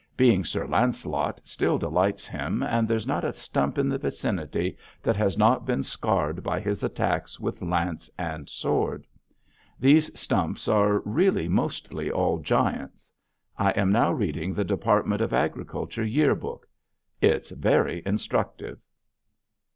Being Sir Lancelot still delights him and there's not a stump in the vicinity that has not been scarred by his attacks with lance and sword. These stumps are really mostly all giants. I am now reading the Department of Agriculture year book. It's very instructive.